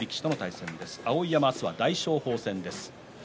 碧山は大翔鵬戦です。